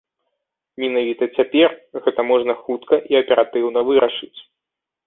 Менавіта цяпер гэта можна хутка і аператыўна вырашыць.